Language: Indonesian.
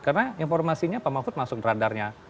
karena informasinya pak mahfud masuk radarnya